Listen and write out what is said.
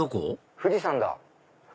富士山だ。